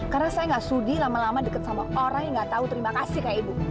karena saya gak sudi lama lama deket sama orang yang gak tau terima kasih kayak ibu